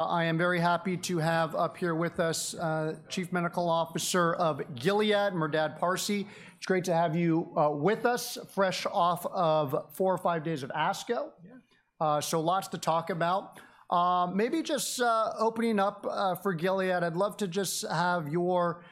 I am very happy to have up here with us, Chief Medical Officer of Gilead, Merdad Parsey. It's great to have you, with us, fresh off of four or five days of ASCO. Yeah. So lots to talk about. Maybe just opening up for Gilead, I'd love to just have your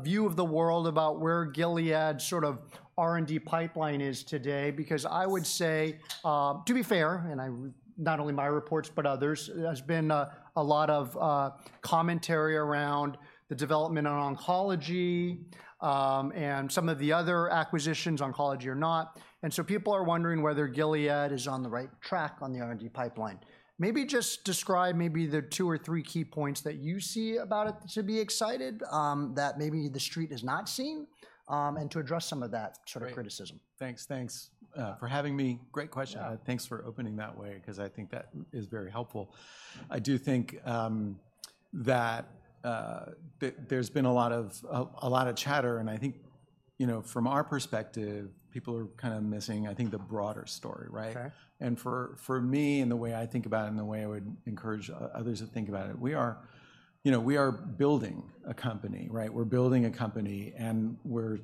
view of the world about where Gilead's sort of R&D pipeline is today, because I would say, to be fair, and not only my reports, but others, there's been a lot of commentary around the development in oncology, and some of the other acquisitions, oncology or not. And so people are wondering whether Gilead is on the right track on the R&D pipeline. Maybe just describe maybe the two or three key points that you see about it to be excited, that maybe the Street has not seen, and to address some of that sort of criticism. Great. Thanks, thanks, for having me. Great question. Yeah. Thanks for opening that way, 'cause I think that is very helpful. I do think that there's been a lot of a lot of chatter, and I think, you know, from our perspective, people are kind of missing, I think, the broader story, right? Okay. And for me, and the way I think about it, and the way I would encourage others to think about it, we are, you know, we are building a company, right? We're building a company, and we're...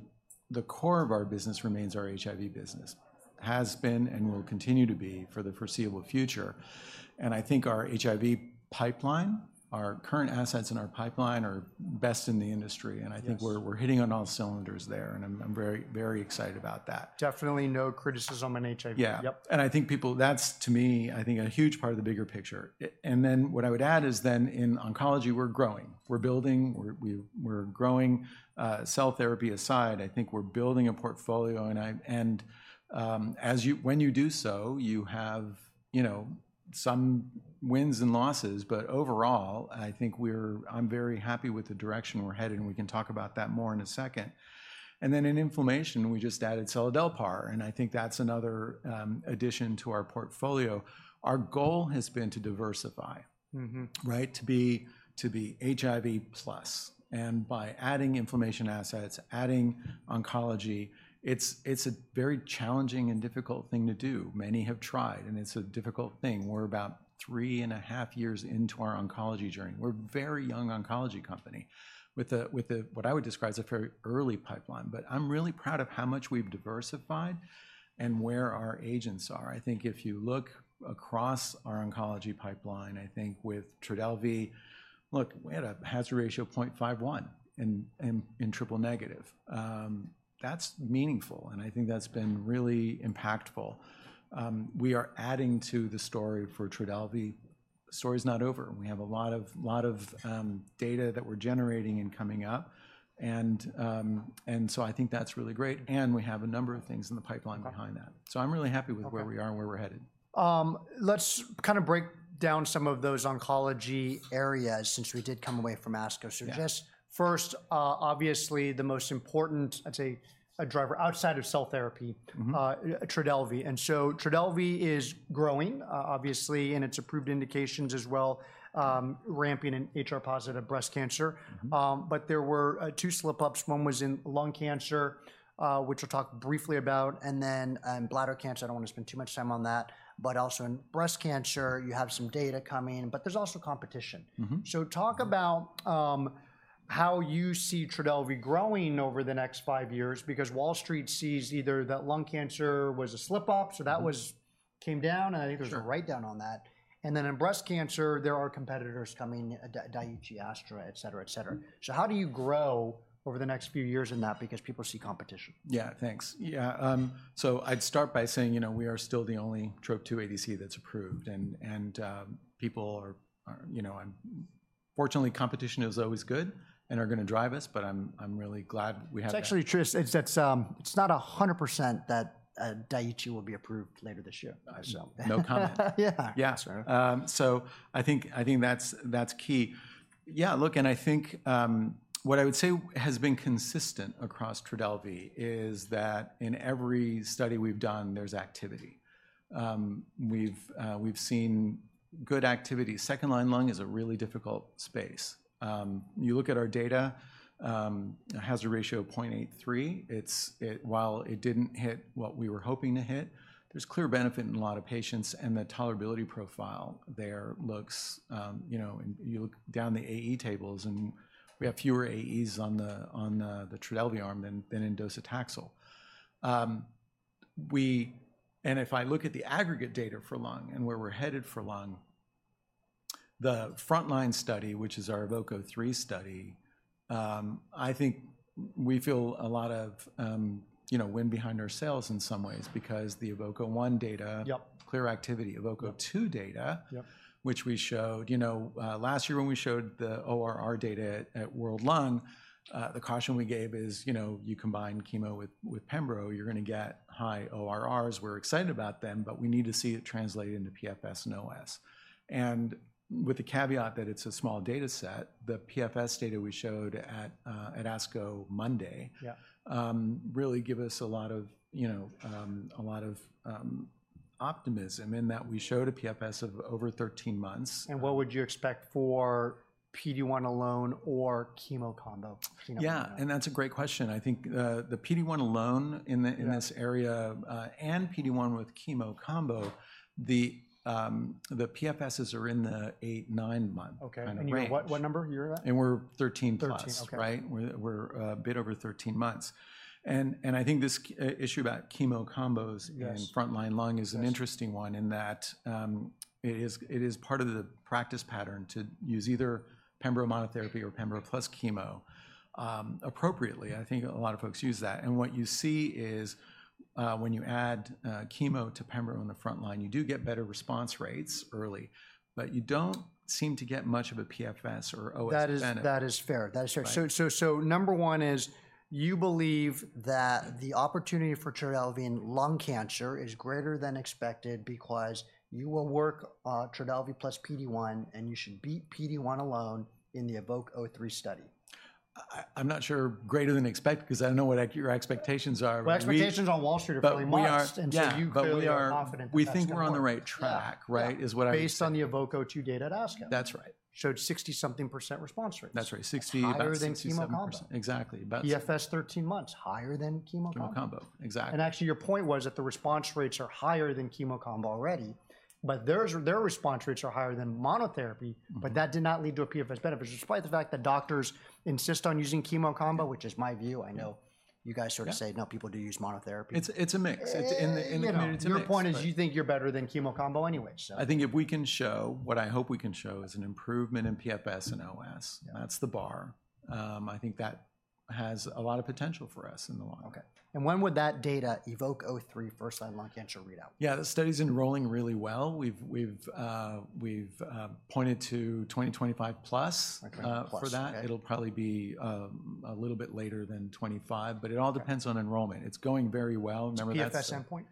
The core of our business remains our HIV business. Has been and will continue to be for the foreseeable future, and I think our HIV pipeline, our current assets in our pipeline, are best in the industry- Yes. I think we're hitting on all cylinders there, and I'm very excited about that. Definitely no criticism on HIV. Yeah. Yep. And I think people, that's, to me, I think, a huge part of the bigger picture. I and then what I would add is then in oncology, we're growing. We're building. We're growing. Cell therapy aside, I think we're building a portfolio, and I and, as you, when you do so, you have, you know, some wins and losses, but overall, I think we're I'm very happy with the direction we're headed, and we can talk about that more in a second. And then in inflammation, we just added seladelpar, and I think that's another, addition to our portfolio. Our goal has been to diversify- Mm-hmm. Right? To be HIV plus, and by adding inflammation assets, adding oncology, it's a very challenging and difficult thing to do. Many have tried, and it's a difficult thing. We're about 3.5 years into our oncology journey. We're a very young oncology company with what I would describe as a very early pipeline, but I'm really proud of how much we've diversified and where our agents are. I think if you look across our oncology pipeline, I think with Trodelvy, look, we had a hazard ratio of 0.51 in triple-negative. That's meaningful, and I think that's been really impactful. We are adding to the story for Trodelvy. The story's not over. We have a lot of data that we're generating and coming up, and so I think that's really great, and we have a number of things in the pipeline behind that. Okay. I'm really happy with where we are- Okay... and where we're headed. Let's kind of break down some of those oncology areas, since we did come away from ASCO. Yeah. Just first, obviously the most important, I'd say, a driver outside of cell therapy- Mm-hmm... Trodelvy. And so Trodelvy is growing, obviously, in its approved indications as well, ramping in HR-positive breast cancer. Mm-hmm. But there were two slipups. One was in lung cancer, which we'll talk briefly about, and then bladder cancer. I don't want to spend too much time on that, but also in breast cancer, you have some data coming, but there's also competition. Mm-hmm. So, talk about how you see Trodelvy growing over the next five years, because Wall Street sees either that lung cancer was a slipup- Mm-hmm... came down, and I think- Sure... there's a write-down on that. Then in breast cancer, there are competitors coming, Daiichi Sankyo, et cetera, et cetera. Mm-hmm. How do you grow over the next few years in that? Because people see competition. Yeah. Thanks. Yeah, so I'd start by saying, you know, we are still the only Trop-2 ADC that's approved, and people are, you know, fortunately, competition is always good and are gonna drive us, but I'm really glad we have that. It's actually true. It's not 100% that Daiichi will be approved later this year. So - No comment. Yeah. Yeah. Sure. So I think, I think that's, that's key. Yeah, look, and I think, what I would say has been consistent across Trodelvy is that in every study we've done, there's activity. We've, we've seen good activity. Second-line lung is a really difficult space. You look at our data, hazard ratio of 0.83, it's, it, while it didn't hit what we were hoping to hit, there's clear benefit in a lot of patients, and the tolerability profile there looks, you know, and you look down the AE tables, and we have fewer AEs on the, on, the Trodelvy arm than, than in docetaxel. If I look at the aggregate data for lung and where we're headed for lung, the frontline study, which is our EVOKE-03 study, I think we feel a lot of, you know, wind behind our sails in some ways because the EVOKE-01 data- Yep... clear activity. Yep. EVOKE-02 data- Yep... which we showed, you know, last year when we showed the ORR data at World Lung, the caution we gave is, you know, you combine chemo with pembro, you're gonna get high ORRs. We're excited about them, but we need to see it translated into PFS and OS. And with the caveat that it's a small data set, the PFS data we showed at ASCO Monday- Yeah... really give us a lot of, you know, optimism in that we showed a PFS of over 13 months. And what would you expect for PD-1 alone or chemo combo? Do you know what I mean? Yeah, that's a great question. I think, the PD-1 alone in the- Yeah... in this area, and PD-1 with chemo combo, the PFSs are in the eight, nine month- Okay - kind of range. You're what, what number you're at? We're 13+. Thirteen, okay. Right? We're a bit over 13 months. And I think this issue about chemo combos- Yes in front-line lung is- Yes An interesting one, in that, it is part of the practice pattern to use either pembro monotherapy or pembro plus chemo. Appropriately, I think a lot of folks use that. And what you see is, when you add chemo to pembro in the front line, you do get better response rates early, but you don't seem to get much of a PFS or OS benefit. That is, that is fair. That is fair. Right. So, number one is, you believe that the opportunity for Trodelvy in lung cancer is greater than expected because you will work Trodelvy plus PD-1, and you should beat PD-1 alone in the EVOKE-03 study. I'm not sure greater than expected, because I don't know what your expectations are. We- Well, expectations on Wall Street are very modest- But we are, yeah- You clearly are confident that that's going to work. But we are, we think we're on the right track- Yeah... right? Is what I'm- Based on the EVOKE-02 data at ASCO. That's right. Showed 60-something% response rates. That's right. 60, about 67%. Higher than chemo combo. Exactly, about- PFS, 13 months, higher than chemo combo. Chemo combo, exactly. Actually, your point was that the response rates are higher than chemo combo already, but theirs, their response rates are higher than monotherapy. Mm-hmm. But that did not lead to a PFS benefit, despite the fact that doctors insist on using chemo combo, which is my view. Yeah. I know you guys sort of- Yeah... say, "No, people do use monotherapy. It's a mix. It's in the- You know- It's a mix, but- Your point is, you think you're better than chemo combo anyway, so. I think if we can show... What I hope we can show is an improvement in PFS and OS. Yeah. That's the bar. I think that has a lot of potential for us in the long run. Okay. When would that data EVOKE-03, first-line lung cancer readout? Yeah, the study's enrolling really well. We've pointed to 2025+. Okay, plus, okay.... for that. It'll probably be a little bit later than 2025, but it all- Okay... depends on enrollment. It's going very well. Remember, that's- It's PFS endpoint?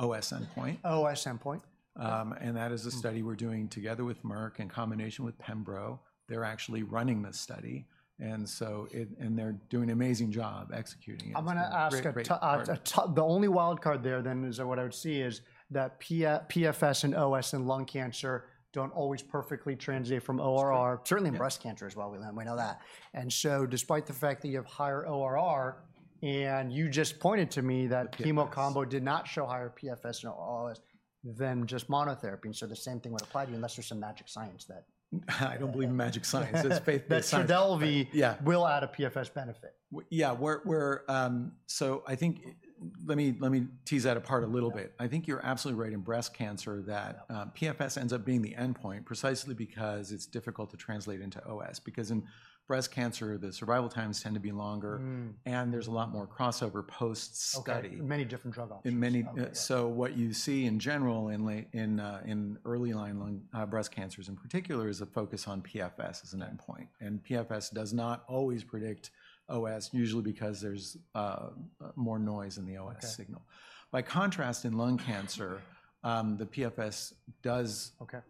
OS endpoint. OS endpoint. and that is a study- Mm... we're doing together with Merck in combination with pembro. They're actually running the study, and so and they're doing an amazing job executing it. I'm gonna ask Great, great partner. The only wild card there, then, is what I would see is that PFS and OS in lung cancer don't always perfectly translate from ORR. That's correct. Certainly in breast cancer as well. We learn- Yeah... we know that. And so despite the fact that you have higher ORR, and you just pointed to me that- Yes... chemo combo did not show higher PFS or OS than just monotherapy, and so the same thing would apply to you, unless there's some magic science that- I don't believe in magic science. It's faith-based science. That Trodelvy- Yeah... will add a PFS benefit. Yeah, we're. So I think, let me tease that apart a little bit. Yeah. I think you're absolutely right in breast cancer, that, Yeah... PFS ends up being the endpoint precisely because it's difficult to translate into OS. Because in breast cancer, the survival times tend to be longer- Mm... and there's a lot more crossover post-study. Okay, many different drug options. In many- Okay, yeah. What you see in general, in early-line lung, breast cancers in particular, is a focus on PFS as an endpoint. PFS does not always predict OS, usually because there's more noise in the OS signal. Okay. By contrast, in lung cancer, the PFS does- Okay ...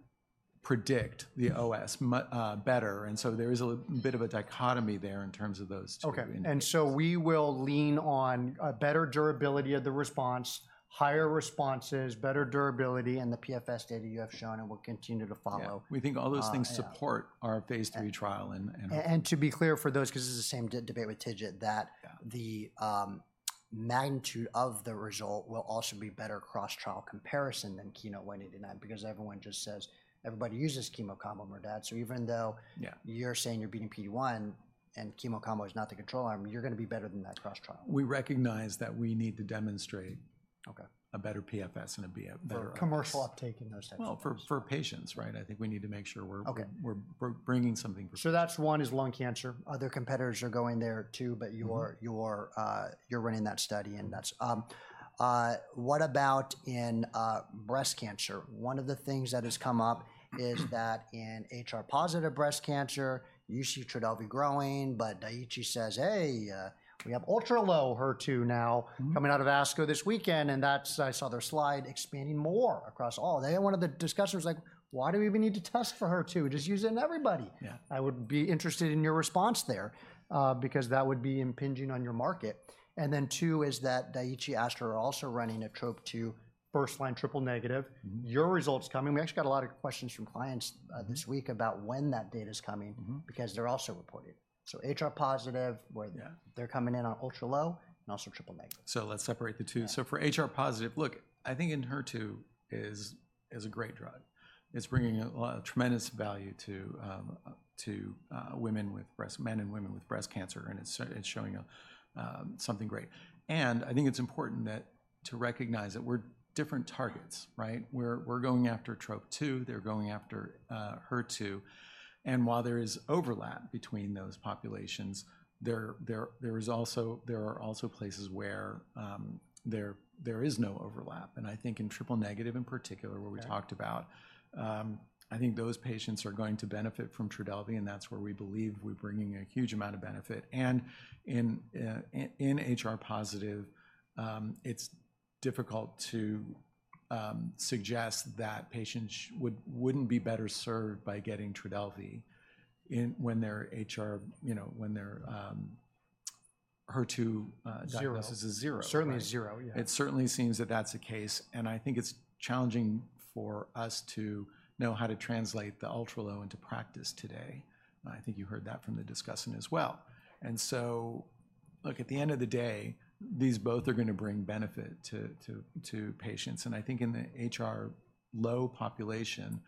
predict the OS much better, and so there is a little bit of a dichotomy there in terms of those two endpoints. Okay. And so we will lean on a better durability of the response, higher responses, better durability, and the PFS data you have shown and will continue to follow. Yeah. Uh, yeah. We think all those things support our phase III trial. And to be clear for those, because this is the same debate with TIGIT, that- Yeah... the magnitude of the result will also be better cross-trial comparison than KEYNOTE-189, because everyone just says, "Everybody uses chemo combo, Merdad." So even though- Yeah... you're saying you're beating PD-1 and chemo combo is not the control arm, you're gonna be better than that cross-trial. We recognize that we need to demonstrate- Okay... a better PFS and a better OS. For commercial uptake in those settings. Well, for patients, right? I think we need to make sure we're- Okay... we're bringing something for patients. So that's one, is lung cancer. Other competitors are going there, too, but you are- Mm-hmm... you are, you're running that study, and that's... What about in breast cancer? One of the things that has come up is that in HR-positive breast cancer, you see Trodelvy growing, but Daiichi says, "Hey, we have ultra-low HER2 now- Mm-hmm... coming out of ASCO this weekend. And that's, I saw their slide, expanding more across all. They had one of the discussers like, "Why do we even need to test for HER2? Just use it in everybody. Yeah. I would be interested in your response there, because that would be impinging on your market. And then too, is that Daiichi Astra are also running a Trop-2 first-line triple-negative. Mm-hmm. Your results coming. We actually got a lot of questions from clients, this week about when that data's coming- Mm-hmm... because they're also reporting. So HR-positive, where- Yeah... they're coming in on ultra-low and also triple-negative. Let's separate the two. Yeah. So for HR-positive, look, I think Enhertu is a great drug. It's bringing a tremendous value to women with breast cancer, men and women with breast cancer, and it's showing something great. And I think it's important to recognize that we're different targets, right? We're going after Trop-2, they're going after HER2. And while there is overlap between those populations, there is also, there are also places where there is no overlap. And I think in triple-negative in particular- Yeah... where we talked about, I think those patients are going to benefit from Trodelvy, and that's where we believe we're bringing a huge amount of benefit. And in HR-positive, it's difficult to suggest that patients wouldn't be better served by getting Trodelvy when they're HR, you know, when they're HER2 diagnosis- Zero. Is a 0. Certainly a 0, yeah. It certainly seems that that's the case, and I think it's challenging for us to know how to translate the ultra low into practice today. I think you heard that from the discussant as well. And so, look, at the end of the day, these both are gonna bring benefit to patients, and I think in the HR low population,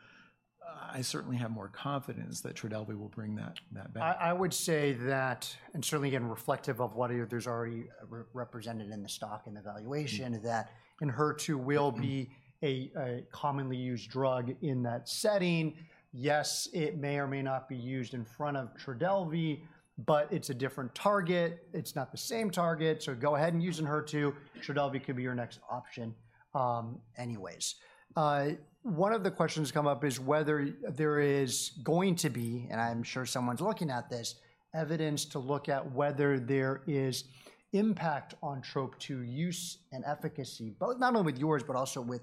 I certainly have more confidence that Trodelvy will bring that back. I would say that, and certainly again, reflective of what is, there's already represented in the stock and the valuation- Mm... that Enhertu- Mm Will be a, a commonly used drug in that setting. Yes, it may or may not be used in front of Trodelvy, but it's a different target. It's not the same target, so go ahead and use Enhertu. Trodelvy could be your next option. Anyways, one of the questions come up is whether there is going to be, and I'm sure someone's looking at this, evidence to look at whether there is impact on Trop-2 use and efficacy, both not only with yours, but also with,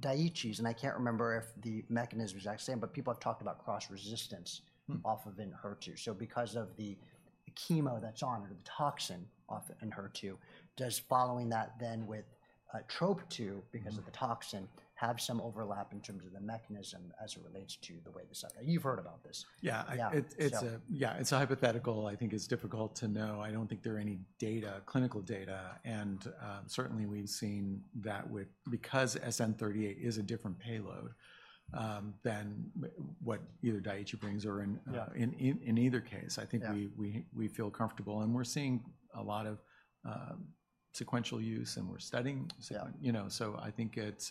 Daiichi's. And I can't remember if the mechanism is exact same, but people have talked about cross resistance- Mm... off of Enhertu. So because of the chemo that's on or the toxin off Enhertu, does following that then with, Trop-2- Mm... because of the toxin, have some overlap in terms of the mechanism as it relates to the way this... You've heard about this? Yeah. Yeah, so. Yeah, it's a hypothetical. I think it's difficult to know. I don't think there are any data, clinical data, and certainly we've seen that because SN-38 is a different payload than what either Daiichi brings or in- Yeah... in either case- Yeah... I think we feel comfortable. And we're seeing a lot of sequential use, and we're studying. Yeah. You know, so I think it's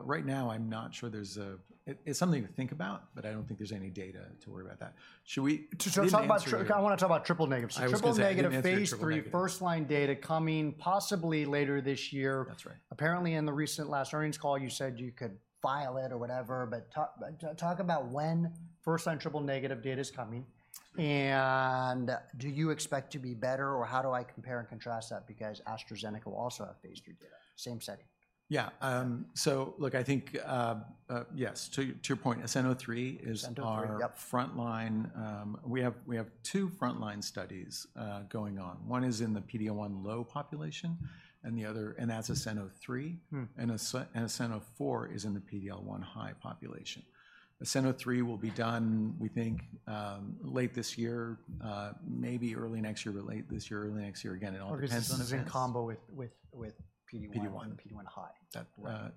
right now I'm not sure there's a... It's something to think about, but I don't think there's any data to worry about that. Should we talk about- So, I wanna talk about triple negative. I was gonna- Triple negative- I was gonna answer triple-negative.... phase III, first-line data coming possibly later this year. That's right. Apparently, in the recent last earnings call, you said you could file it or whatever, but talk about when first-line triple-negative data is coming. And do you expect to be better, or how do I compare and contrast that? Because AstraZeneca will also have phase III data, same setting. Yeah. So look, I think, yes, to your point, ASCENT-03 is our- ASCENT-03, yep... first-line. We have two first-line studies going on. One is in the PD-L1 low population, and that's ASCENT-03. Mm. ASCENT-04 is in the PD-L1 high population. ASCENT-03 will be done, we think, late this year, maybe early next year, but late this year, early next year. Again, it all depends- Or this is in combo with PD-1. PD-1... PD-1 high. That,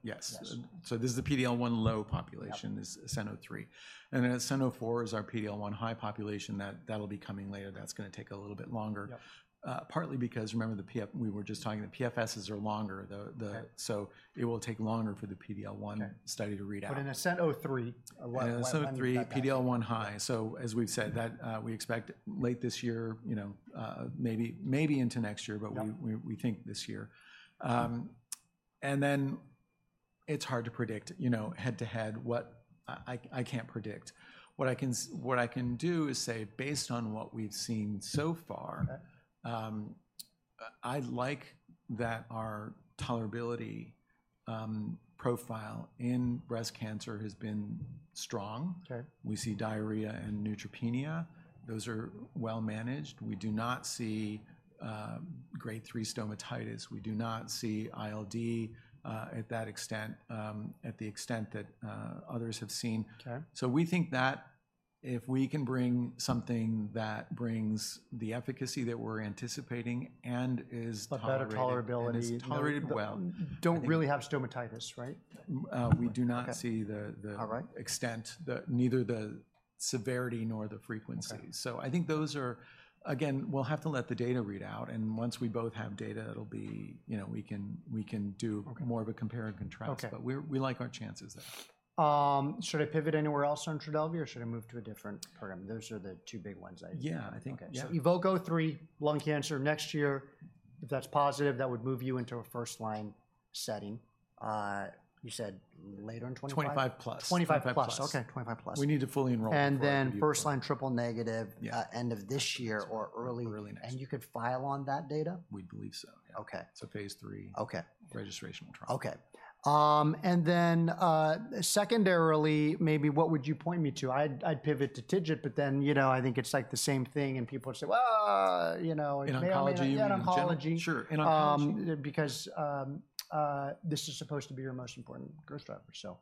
yes. Yes. This is the PD-L1 low population- Yep... is ASCENT-03, and then ASCENT-04 is our PD-L1 high population that, that'll be coming later. Yep. That's gonna take a little bit longer- Yep... partly because, remember, the PFS we were just talking, the PFSs are longer. Right... so it will take longer for the PD-L1- Okay... study to read out. But in ASCENT-03, ASCENT-03, PD-L1 high. So as we've said, that, we expect late this year, you know, maybe, maybe into next year- Yep... but we think this year. Sure. And then it's hard to predict, you know, head-to-head, what... I can't predict. What I can do is say, based on what we've seen so far- Okay... I like that our tolerability profile in breast cancer has been strong. Okay. We see diarrhea and neutropenia. Those are well managed. We do not see grade three stomatitis. We do not see ILD at that extent, at the extent that others have seen. Okay. We think that if we can bring something that brings the efficacy that we're anticipating and is tolerated- A better tolerability.... and is tolerated well. Don't really have stomatitis, right? We do not- Okay... see the All right... extent, neither the severity nor the frequency. Okay. So I think those are... Again, we'll have to let the data read out, and once we both have data, it'll be, you know, we can, we can do- Okay... more of a compare and contrast. Okay. But we like our chances there. Should I pivot anywhere else on Trodelvy, or should I move to a different program? Those are the two big ones I- Yeah, I think, yeah. EVOKE-03, lung cancer next year. If that's positive, that would move you into a first-line setting. You said later in 2022? 2025+. 2025+. 2025+. Okay, 2025+ We need to fully enroll and then- And then first-line triple-negative. Yeah... end of this year or early- Early next You could file on that data? We believe so, yeah. Okay. Phase III. Okay. Registration trial. Okay. And then, secondarily, maybe what would you point me to? I'd pivot to TIGIT, but then, you know, I think it's, like, the same thing, and people would say, "Well," you know- In oncology- In oncology. Sure, in oncology- Because this is supposed to be your most important growth driver, so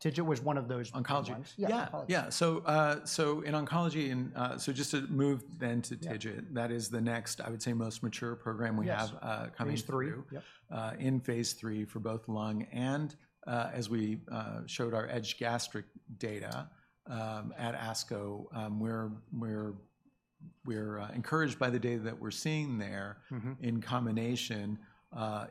TIGIT was one of those- Oncology... ones. Yeah, oncology. Yeah, yeah. So, so in oncology, and, so just to move then to TIGIT- Yeah... that is the next, I would say, most mature program we have- Yes... coming through. phase III, yep. In phase III for both lung and, as we showed our esophagogastric data at ASCO, we're encouraged by the data that we're seeing there- Mm-hmm... in combination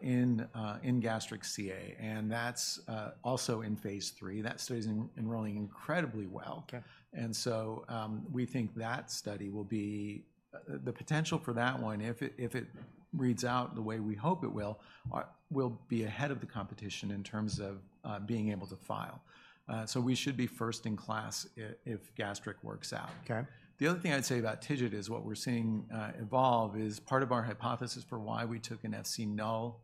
in gastric CA, and that's also in phase III. That study is enrolling incredibly well. Okay. So, we think that study will be the potential for that one, if it reads out the way we hope it will, we'll be ahead of the competition in terms of being able to file. So we should be first in class if gastric works out. Okay. The other thing I'd say about TIGIT is what we're seeing evolve is part of our hypothesis for why we took an Fc-null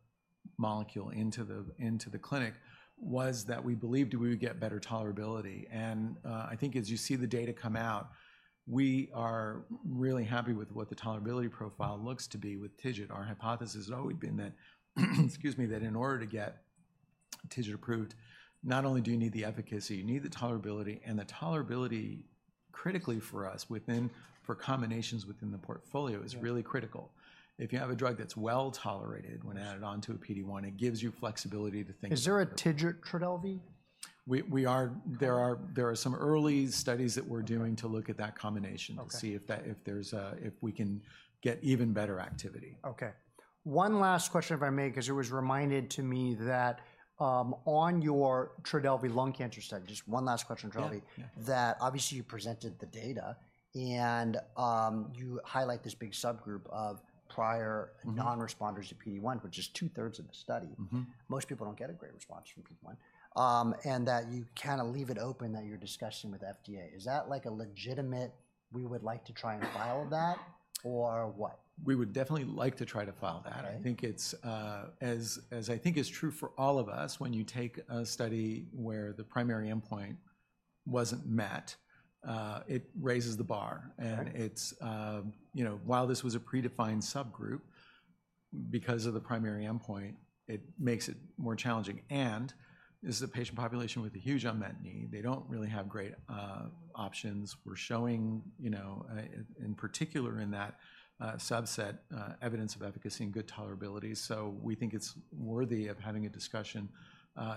molecule into the clinic, was that we believed we would get better tolerability. And I think as you see the data come out, we are really happy with what the tolerability profile looks to be with TIGIT. Our hypothesis has always been that, excuse me, that in order to get TIGIT approved, not only do you need the efficacy, you need the tolerability. And the tolerability critically for us within for combinations within the portfolio- Yeah... is really critical. If you have a drug that's well-tolerated when added onto a PD-1, it gives you flexibility to think- Is there a TIGIT Trodelvy? We are—there are some early studies that we're doing to look at that combination- Okay... to see if we can get even better activity. Okay. One last question, if I may, 'cause it was reminded to me that, on your Trodelvy lung cancer study, just one last question on Trodelvy. Yeah, yeah. That obviously you presented the data, and you highlight this big subgroup of prior- Mm-hmm... non-responders to PD-1, which is two-thirds of the study. Mm-hmm. Most people don't get a great response from PD-1. And that you kinda leave it open that you're discussing with FDA. Is that, like, a legitimate, we would like to try and file that or what? We would definitely like to try to file that. Okay. I think it's, as I think is true for all of us, when you take a study where the primary endpoint wasn't met, it raises the bar. Right. It's, you know, while this was a predefined subgroup, because of the primary endpoint, it makes it more challenging. This is a patient population with a huge unmet need. They don't really have great options. We're showing, you know, in particular in that subset, evidence of efficacy and good tolerability. We think it's worthy of having a discussion,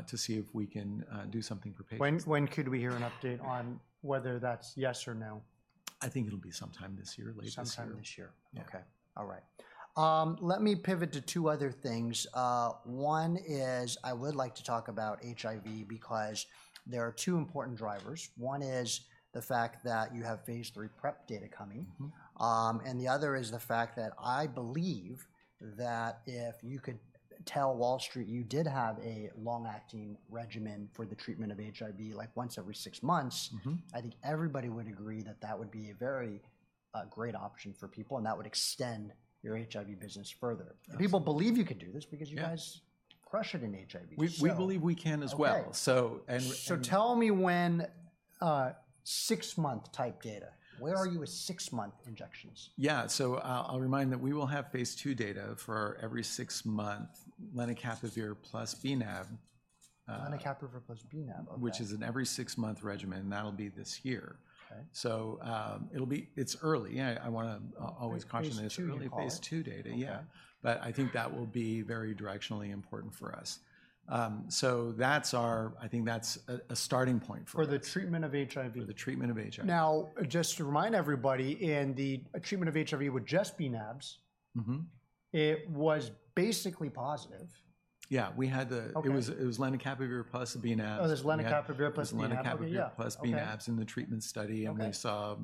to see if we can do something for patients. When could we hear an update on whether that's yes or no? I think it'll be sometime this year, later this year. Sometime this year. Yeah. Okay. All right. Let me pivot to two other things. One is I would like to talk about HIV because there are two important drivers. One is the fact that you have phase III PrEP data coming. Mm-hmm. And the other is the fact that I believe that if you could tell Wall Street you did have a long-acting regimen for the treatment of HIV, like once every six months- Mm-hmm... I think everybody would agree that that would be a very great option for people, and that would extend your HIV business further. Yes. People believe you can do this- Yeah... because you guys crush it in HIV, so. We believe we can as well. Okay. So, and, and- So tell me when, six-month-type data, where are you with six-month injections? Yeah. So I'll, I'll remind that we will have phase II data for our every six month lenacapavir plus bNAb. lenacapavir plus bNAb, okay... which is an every six-month regimen, and that'll be this year. Okay. So, it'll be... It's early. Yeah, I wanna always caution- phase II you call it? It's early phase II data, yeah. Okay. I think that will be very directionally important for us. So that's our, I think that's a starting point for us. For the treatment of HIV? For the treatment of HIV. Now, just to remind everybody, in the treatment of HIV with just bNAbs- Mm-hmm... it was basically positive. Yeah, we had Okay. It was lenacapavir plus bNAbs. Oh, it was lenacapavir plus bNAb? Lenacapavir- Yeah, okay... plus bNAbs in the treatment study. Okay. We saw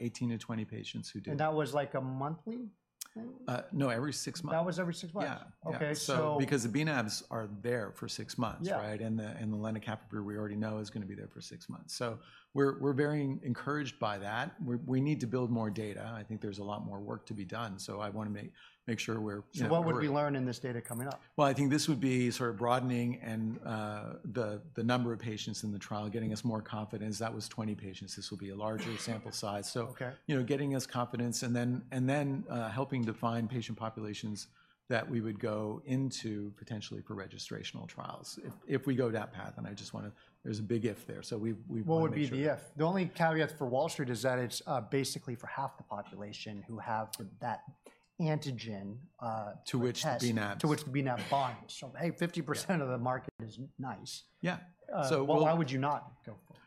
18-20 patients who did. That was, like, a monthly thing? No, every six months. That was every six months? Yeah, yeah. Okay, so- Because the bNAbs are there for six months- Yeah... right? And the lenacapavir we already know is gonna be there for six months. So we're very encouraged by that. We need to build more data. I think there's a lot more work to be done, so I wanna make sure we're, you know, covered. What would we learn in this data coming up? Well, I think this would be sort of broadening and the number of patients in the trial, getting us more confidence. That was 20 patients. This will be a larger sample size. Okay. So, you know, getting us confidence, and then, and then, helping define patient populations that we would go into potentially for registrational trials- Mm... if we go down that path. And I just wanna... There's a big if there, so we wanna make sure- What would be the if? The only caveat for Wall Street is that it's basically for half the population who have that antigen for the test- To which the bNAb- To which the bNAb binds. So, hey, 50%- Yeah... of the market is nice. Yeah. So we'll- Why would you not go for it?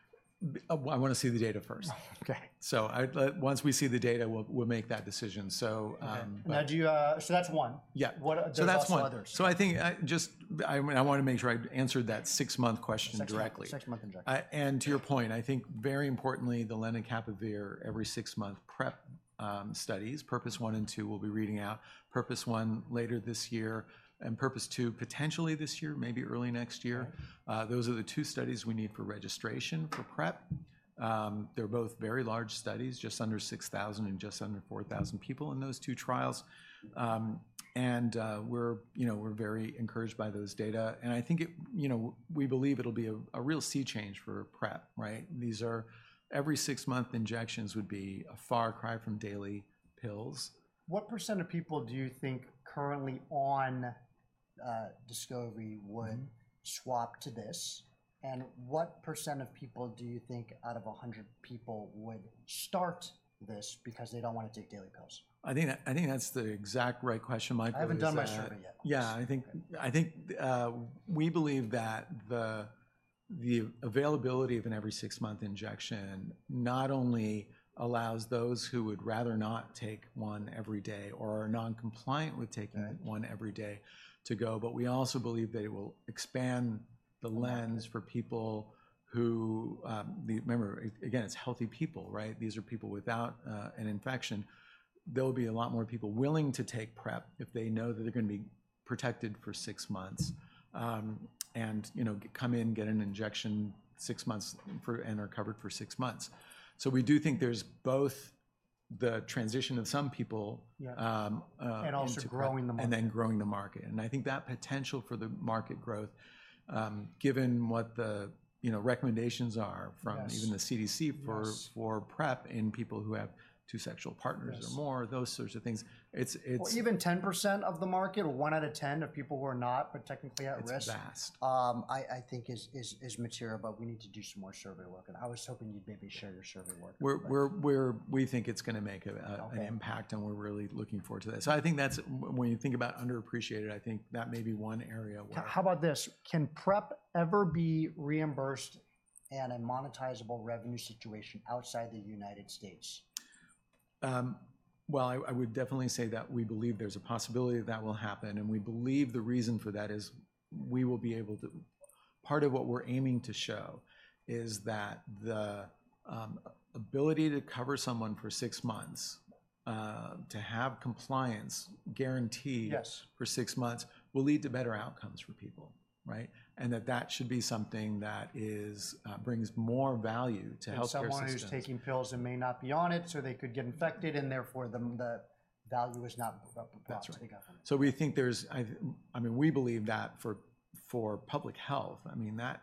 Well, I wanna see the data first. Oh, okay. So once we see the data, we'll make that decision, so, but- Okay. Now, do you... So that's one. Yeah. What, are there also others? So that's one. So I think, I just wanna make sure I answered that six-month question directly. six-month, six-month injection. And to your point, I think very importantly, the lenacapavir every six-month PrEP studies, PURPOSE 1 and 2, will be reading out PURPOSE 1 later this year and PURPOSE 2 potentially this year, maybe early next year. Okay. Those are the two studies we need for registration for PrEP. They're both very large studies, just under 6,000 and just under 4,000 people in those two trials. We're, you know, we're very encouraged by those data, and I think it, you know, we believe it'll be a real sea change for PrEP, right? These are every six-month injections would be a far cry from daily pills. What % of people do you think currently on Descovy would swap to this? And what % of people do you think out of 100 people would start this because they don't wanna take daily pills? I think that's the exact right question, Mike. I would say- I haven't done my survey yet. Yeah, I think- Okay... I think, we believe that the availability of an every six-month injection not only allows those who would rather not take one every day or are non-compliant with taking- Right... one every day to go, but we also believe that it will expand the lens for people who Remember, again, it's healthy people, right? These are people without an infection. There will be a lot more people willing to take PrEP if they know that they're gonna be protected for six months, and, you know, come in, get an injection six months, for, and are covered for six months. So we do think there's both the transition of some people- Yeah. Um, uh- Also growing the market. And then growing the market. And I think that potential for the market growth, given what the, you know, recommendations are from- Yes... even the CDC for- Yes... for PrEP in people who have two sexual partners- Yes... or more, those sorts of things, it's, it's- Well, even 10% of the market, 1 out of 10, of people who are not, but technically at risk- It's vast... I think is material, but we need to do some more survey work, and I was hoping you'd maybe share your survey work. We think it's gonna make a Okay... an impact, and we're really looking forward to that. So I think that's, when you think about underappreciated, I think that may be one area where- How about this: Can PrEP ever be reimbursed at a monetizable revenue situation outside the United States? Well, I would definitely say that we believe there's a possibility that will happen, and we believe the reason for that is we will be able to... Part of what we're aiming to show is that the ability to cover someone for six months to have compliance guaranteed- Yes... for six months, will lead to better outcomes for people, right? And that should be something that is, brings more value to healthcare systems. Someone who's taking pills and may not be on it, so they could get infected, and therefore, the value is not- That's right... obviously gotten. We think there's. I mean, we believe that for public health, I mean, that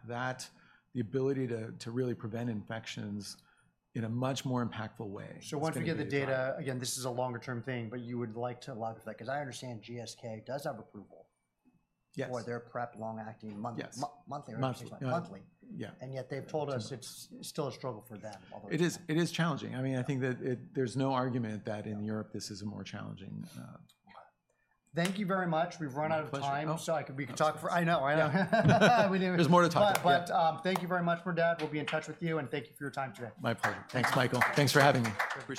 the ability to really prevent infections in a much more impactful way is going to be- Once you get the data, again, this is a longer-term thing, but you would like to launch that. 'Cause I understand GSK does have approval- Yes... for their PrEP long-acting monthly- Yes... monthly or- Monthly... monthly. Yeah. Yet they've told us it's still a struggle for them, although- It is, it is challenging. I mean, I think that it, there's no argument that in Europe this is a more challenging, Thank you very much. We've run out of time. My pleasure. So we could talk for- Absolutely. I know, I know. We didn't- There's more to talk about. But, thank you very much, Merdad. We'll be in touch with you, and thank you for your time today. My pleasure. Thanks, Michael. Thanks for having me. I appreciate it.